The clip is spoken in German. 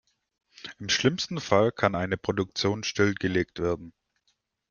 Im schlimmsten Fall kann eine Produktion stillgelegt werden.